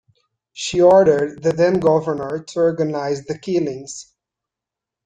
She ordered the then-governor to organize the killings.